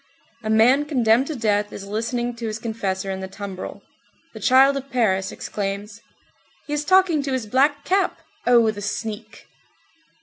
A man condemned to death is listening to his confessor in the tumbrel. The child of Paris exclaims: "He is talking to his black cap! Oh, the sneak!"